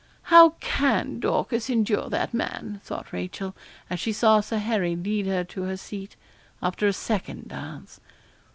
'How can Dorcas endure that man,' thought Rachel, as she saw Sir Harry lead her to her seat, after a second dance.